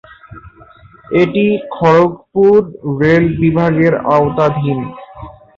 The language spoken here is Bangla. এটি খড়গপুর রেল বিভাগের আওতাধীন।